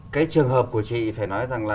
cái trường hợp của chị phải nói rằng là